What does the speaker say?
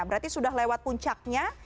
berarti sudah lewat puncaknya